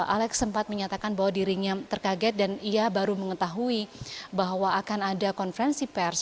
alex sempat menyatakan bahwa dirinya terkaget dan ia baru mengetahui bahwa akan ada konferensi pers